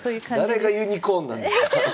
誰がユニコーンなんですか。